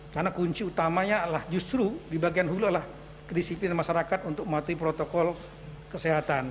karena kunci utamanya adalah justru di bagian hulu adalah krisis masyarakat untuk mematuhi protokol kesehatan